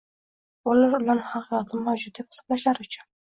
Bolalar ularni haqiqatda mavjud deb hisoblaganlari uchun